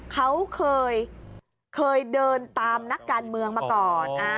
เขาเคยเดินตามนักการเมืองมาก่อน